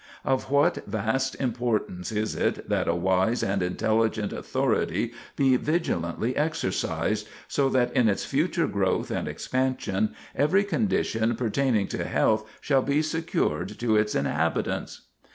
Of what vast importance is it that a wise and intelligent authority be vigilantly exercised, so that in its future growth and expansion every condition pertaining to health shall be secured to its inhabitants!